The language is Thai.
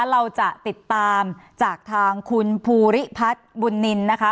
เราจะติดตามจากทางคุณภูริพัฒน์บุญนินนะคะ